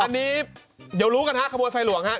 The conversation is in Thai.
ก็เดี๋ยวรู้กันฮะขโมยไฟหลวงครับ